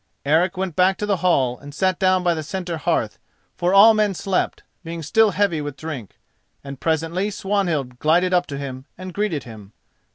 Eric went back to the hall, and sat down by the centre hearth, for all men slept, being still heavy with drink, and presently Swanhild glided up to him, and greeted him.